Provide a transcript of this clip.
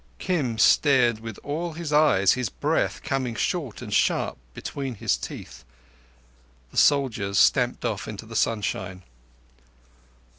Kim stared with all his eyes, his breath coming short and sharp between his teeth. The soldiers stamped off into the sunshine.